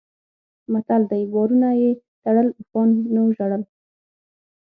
متل دی: بارونه یې تړل اوښانو ژړل.